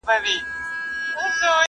نور به بیا په ګران افغانستان کي سره ګورو,